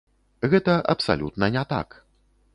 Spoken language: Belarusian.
Гэта абсалютна не так.